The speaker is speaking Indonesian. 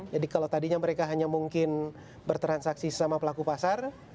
kalau tadinya mereka hanya mungkin bertransaksi sama pelaku pasar